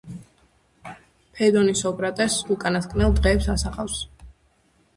ფედონი სოკრატეს უკანასკნელ დღეებს ასახავს.